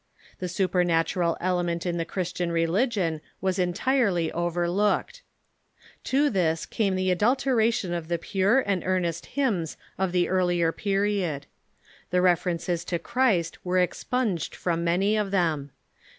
The supernatural element in the Christian religion was entire ly overlooked. To this carae the adulteration of the pure and earnest hymns of the earlier period. The references to Christ were expunged from many of them.